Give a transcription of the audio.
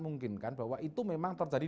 mungkin kan bahwa itu memang terjadi